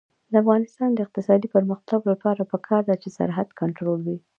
د افغانستان د اقتصادي پرمختګ لپاره پکار ده چې سرحد کنټرول وي.